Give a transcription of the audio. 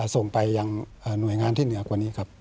ส่งไปยังหน่วยงานที่เหนือกว่านี้ครับ